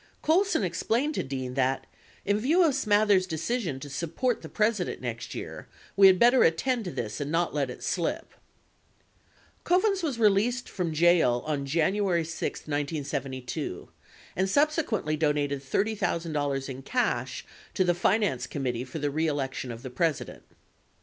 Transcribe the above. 19 Colson explained to Dean that "in view of Smathers' decision to support, the President next year, we had better attend to this and not let it slip." 20 Kovens was released from jail on January 6, 1972, and subsequently donated $30,000 in cash to the Finance Committee for the Ee Election of the President.